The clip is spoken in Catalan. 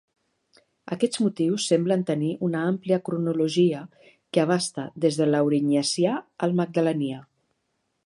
Aquests motius semblen tenir una àmplia cronologia que abasta des de l'Aurinyacià al Magdalenià.